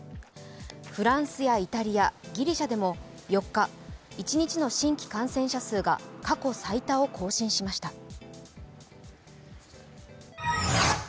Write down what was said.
フランスやイタリア、ギリシャでも４日、一日の新規感染者数が過去最多を更新しました。